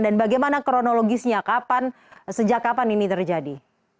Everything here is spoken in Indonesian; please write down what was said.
dan bagaimana kronologisnya sejak kapan ini terjadi